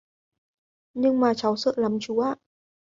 Nhưng mà Cháu sợ lắm chú ạ